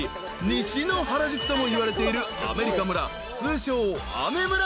西の原宿ともいわれているアメリカ村通称アメ村］